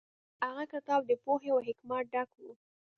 هغه کتاب د پوهې او حکمت ډک و.